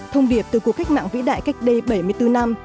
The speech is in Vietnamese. thông điệp từ cuộc cách mạng vĩ đại cách đây bảy mươi bốn năm